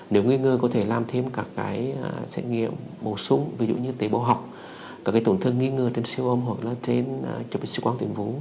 nếu nghi ngờ có thể làm thêm các cái xét nghiệm bổ sung ví dụ như tế bộ học các cái tổn thương nghi ngờ trên siêu âm hoặc là trên chuẩn bị sức khỏe tuyển vú